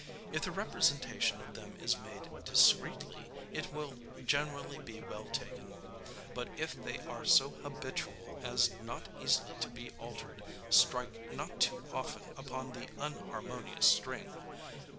If the representation of them is made discreetly, it will generally be well taken. But if they are so habitual as not easily to be altered, strike not too often upon the unharmonious string.